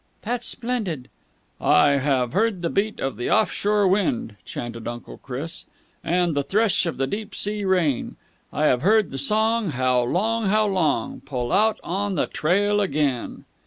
"That's splendid." "I have heard the beat of the off shore wind," chanted Uncle Chris, "and the thresh of the deep sea rain. I have heard the song How long! how long! Pull out on the trail again!"